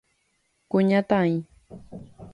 Kuñataĩ.